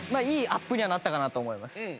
いいアップにはなったかなと思います。